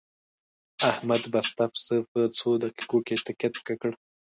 احمد بسته پسه په څو دقیقو کې تکه تکه کړ.